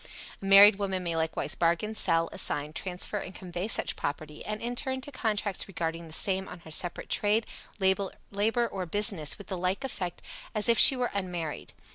A married woman may likewise bargain, sell, assign, transfer and convey such property, and enter into contracts regarding the same on her separate trade, labor or business with the like effect as if she were unmarried.